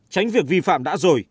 tránh việc vi phạm đã rồi